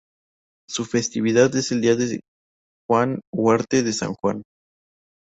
Su festividad es el día de Juan Huarte de San Juan.